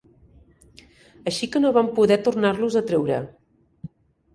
Així que no van poder tornar-los a treure.